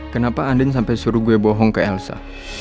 kenapa andin sampai suruh gue bohong ke elsa